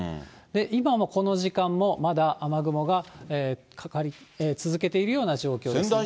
今もこの時間も、まだ雨雲がかかり続けているような状況ですね。